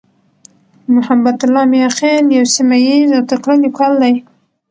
محبتالله "میاخېل" یو سیمهییز او تکړه لیکوال دی.